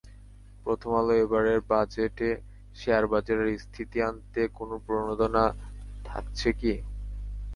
প্রথম আলো এবারের বাজেটে শেয়ারবাজারের স্থিতি আনতে কোনো প্রণোদনা থাকছে িক?